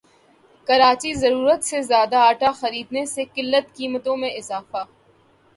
کراچی ضرورت سے زیادہ ٹا خریدنے سے قلت قیمتوں میں اضافہ